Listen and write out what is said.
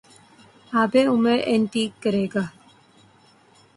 آب عمر انٹهیک کرے گا